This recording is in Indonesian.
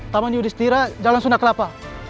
taman yudhistira jalan sunda kelapa